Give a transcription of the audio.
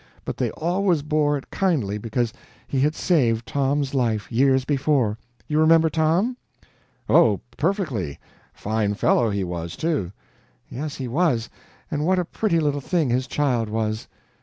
But they always bore it kindly because he had saved Tom's life, years before. You remember Tom? "Oh, perfectly. Fine fellow he was, too." "Yes he was. And what a pretty little thing his child was!"